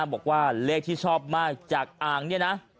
บอกว่าเลขที่ชอบมากจากอ่างเนี่ยนะ